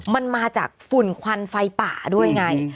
มันมาจากฝุ่นควันไฟป่าด้วยไง